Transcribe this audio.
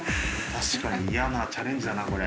確かに嫌なチャレンジだなこれ。